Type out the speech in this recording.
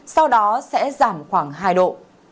sau đó sẽ giảm khoảng hai độ